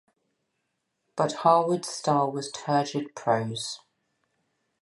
But Harwood's style was turgid prose.